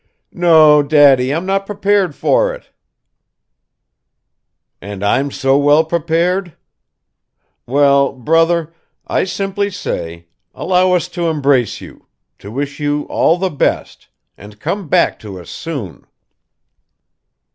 "No, daddy, I'm not prepared for it." "And I'm so well prepared! Well, brother, I simply say, allow us to embrace you, to wish you all the best, and come back to us soon!"